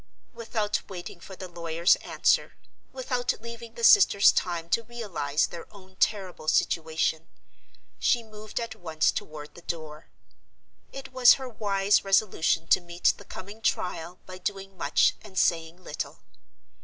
Without waiting for the lawyer's answer, without leaving the sisters time to realize their own terrible situation, she moved at once toward the door. It was her wise resolution to meet the coming trial by doing much and saying little.